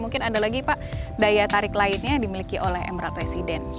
mungkin ada lagi pak daya tarik lainnya yang dimiliki oleh emerald resident